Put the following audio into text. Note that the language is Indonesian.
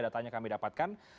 datanya kami dapatkan